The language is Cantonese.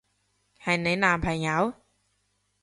係你男朋友？